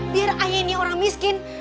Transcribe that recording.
biar ayah ini orang miskin